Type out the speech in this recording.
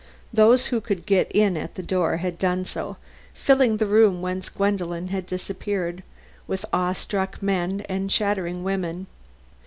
Those who could get in at the door had done so, filling the room whence Gwendolen had disappeared, with awe struck men and chattering women.